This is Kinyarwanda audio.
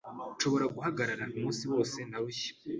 Nshobora guhagarara umunsi wose ntarushye.